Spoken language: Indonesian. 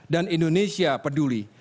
dan indonesia peduli